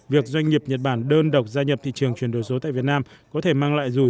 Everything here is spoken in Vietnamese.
việc doanh nghiệp nhật bản đơn độc gia nhập thị trường chuyển đổi số tại việt nam